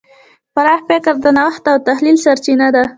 پراخ فکر د نوښت او تخیل سرچینه ده.